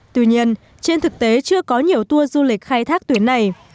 tuy nhiên trên thực tế chưa có nhiều tour du lịch khai thác tuyến này